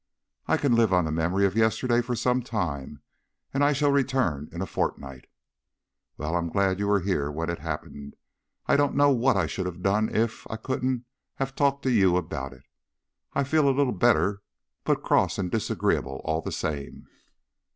"I can live on the memory of yesterday for some time, and I shall return in a fortnight." "Well, I am glad you were here when it happened. I don't know what I should have done if I couldn't have talked to you about it. I feel a little better but cross and disagreeable, all the same."